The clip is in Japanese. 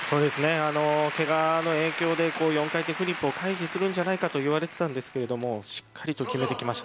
けがの影響で４回転フリップを回避するのではと言われていましたがしっかりと決めてきました。